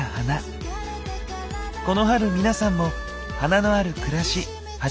この春皆さんも花のある暮らし始めてみませんか？